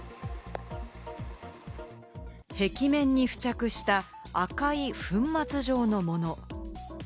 壁面に付着した赤い粉末状のもの。